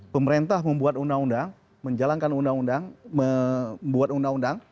pemerintah membuat undang undang menjalankan undang undang membuat undang undang